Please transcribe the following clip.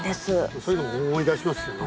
そういうのも思い出しますよね。